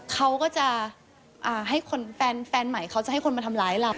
เขาก็จะให้แฟนใหม่เขาจะให้คนมาทำร้ายเรา